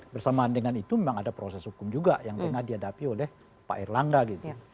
bersamaan dengan itu memang ada proses hukum juga yang tengah dihadapi oleh pak erlangga gitu